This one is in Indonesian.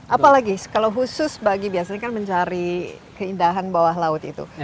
apalagi kalau khusus bagi biasanya kan mencari keindahan bawah laut itu